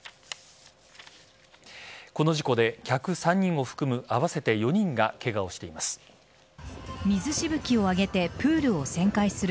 この事故で客３人を含む合わせて４人がケガをしています。